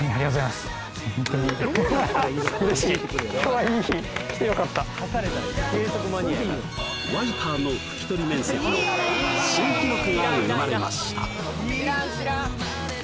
ワイパーでワイパーの拭き取り面積の新記録が生まれました